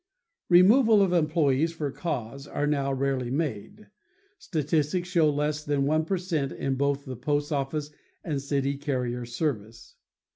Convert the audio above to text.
Removals of employees for cause are now rarely made, statistics show less than one per cent in both the post office and city carrier service.